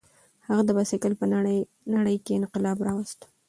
هغه د بایسکل په نړۍ کې انقلاب راوست.